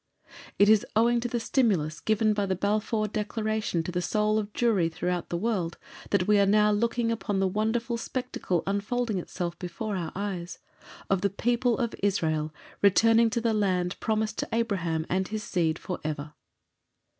It is owing to the stimulus given by the Balfour Declaration to the soul of Jewry throughout the world that we are now looking upon the wonderful spectacle unfolding itself before our eyes, of the people of Israel returning to the Land promised to Abraham and his seed for ever.